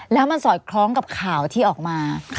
แล้วมันสอดคล้องกับข่าวที่ออกมา